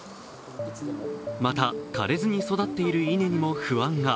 また、枯れずに育っている稲にも不安が。